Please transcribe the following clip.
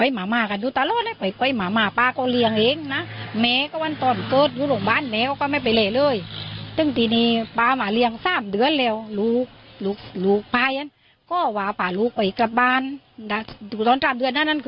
หลุกไปอีกกลับบ้านเท่าที่สามเดือนอ่ะนั่น